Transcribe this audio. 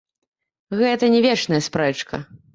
Гэта не вечная спрэчка.